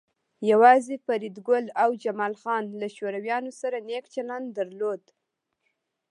یوازې فریدګل او جمال خان له شورویانو سره نیک چلند درلود